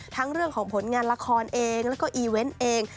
ทั้งเรื่องของผลงานละครเองแล้วก็อีเวนต์เอง